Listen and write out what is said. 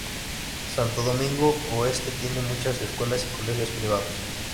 Santo Domingo oeste tiene muchas escuelas y colegios privados.